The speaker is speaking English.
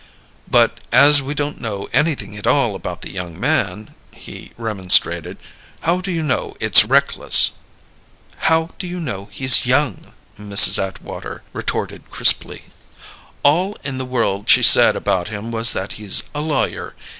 "But as we don't know anything at all about the young man," he remonstrated, "how do you know it's reckless?" "How do you know he's young?" Mrs. Atwater retorted crisply. "All in the world she said about him was that he's a lawyer.